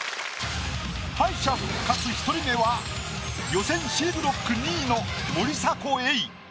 敗者復活１人目は予選Ｃブロック２位の森迫永依。